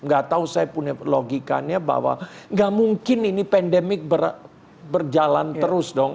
gak tahu saya punya logikanya bahwa gak mungkin ini pandemik berjalan terus dong